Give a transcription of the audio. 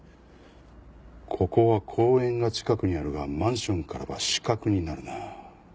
ここは公園が近くにあるがマンションからは死角になるな。